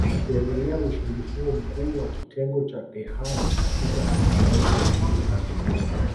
Akiongelea ushindi huo Mkuu wa Kitengo cha Tehama katika Halmashauri ya Jiji la Dodoma